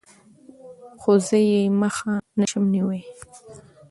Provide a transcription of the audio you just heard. خو زه يې مخه نشم نيوى.